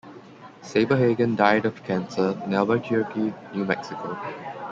Saberhagen died of cancer, in Albuquerque, New Mexico.